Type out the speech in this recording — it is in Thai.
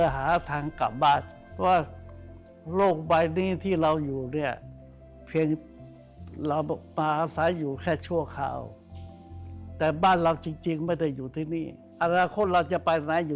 เอาล่ะครับคุณผู้ชมท่านใดนะครับ